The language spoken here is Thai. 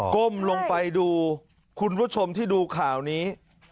ก้มลงไปดูคุณผู้ชมที่ดูข่าวนี้